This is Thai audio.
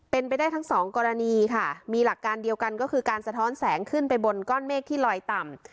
เป็นไปได้ทั้งสองกรณีค่ะมีหลักการเดียวกันก็คือการสะท้อนแสงขึ้นไปบนก้อนเมฆที่ลอยต่ำ